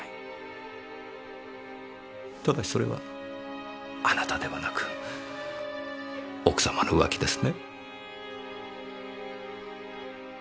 ただしそれはあなたではなく奥様の浮気ですね？